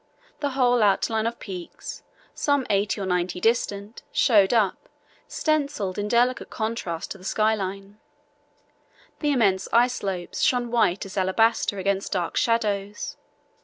The whole outline of peaks, some eighty or ninety distant, showed up, stencilled in delicate contrast to the sky line. The immense ice slopes shone white as alabaster against dark shadows.